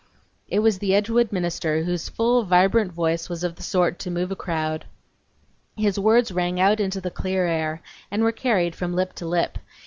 It was the Edgewood minister, whose full, vibrant voice was of the sort to move a crowd. His words rang out into the clear air and were carried from lip to lip.